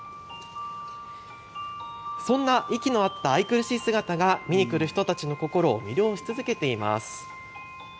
そんな息の合った愛くるしい姿が見に来る人たちの心を魅了し続けています。